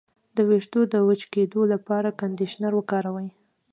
د ویښتو د وچ کیدو لپاره کنډیشنر وکاروئ